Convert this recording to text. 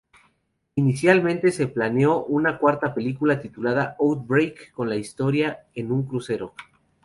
Inicialmente, se planeó una cuarta película, titulada "Outbreak", con la historia en un crucero.